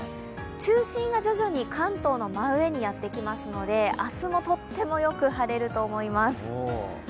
中心が徐々に関東の真上にやってきますので明日もとってもよく晴れると思います。